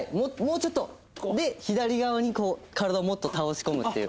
左側に体をもっと倒し込むという。